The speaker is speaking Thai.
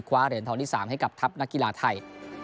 เหรียญทองที่๓ให้กับทัพนักกีฬาไทย